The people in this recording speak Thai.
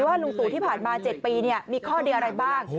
ลุงตู่ที่ผ่านมา๗ปีมีข้อดีอะไรบ้าง